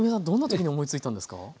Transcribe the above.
どんな時に思いついたんですか？